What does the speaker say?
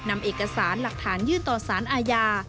นำเอกสารหลักฐานยื่นต่อสารอาญา